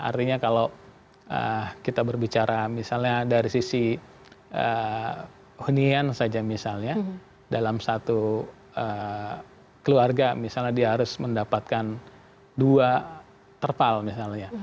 artinya kalau kita berbicara misalnya dari sisi hunian saja misalnya dalam satu keluarga misalnya dia harus mendapatkan dua terpal misalnya